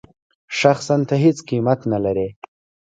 شخصاً ته هېڅ قېمت نه لرې.